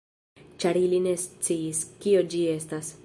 Ĉar ili ne sciis, kio ĝi estas.